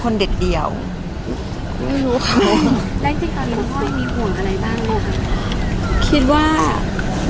ภาษาสนิทยาลัยสุดท้าย